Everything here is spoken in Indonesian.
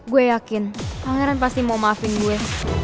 gue yakin pangeran pasti mau maafin gue